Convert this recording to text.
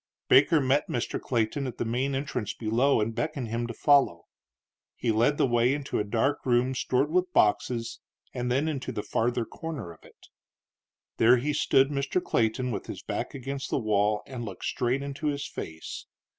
Baker met Mr. Clayton at the main entrance below and beckoned him to follow. He led the way into a dark room stored with boxes and then into the farther corner of it. There he stood Mr. Clayton with his back against the wall and looked straight into his face.